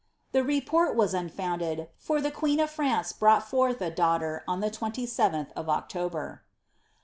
The report was unfounded, for the queen of France brought forth a daughter on the 27th of October.